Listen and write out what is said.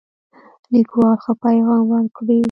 لیکوال ښه پیغام ورکړی.